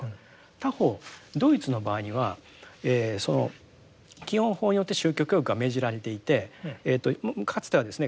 他方ドイツの場合には基本法によって宗教教育が命じられていてかつてはですね